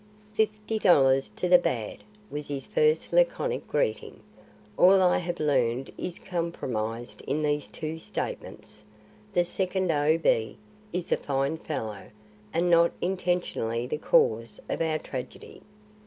"Fifty dollars to the bad!" was his first laconic greeting. "All I have learned is comprised in these two statements. The second O. B. is a fine fellow; and not intentionally the cause of our tragedy.